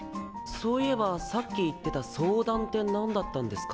そういえばさっき言ってた相談って何だったんですか？